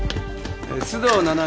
須藤七海。